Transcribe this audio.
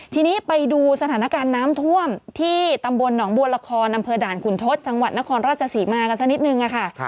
ที่ตำบลหนองบัวละครด่านขุนทศจังหวัดนครราชศรีมากันสักนิดหนึ่งค่ะ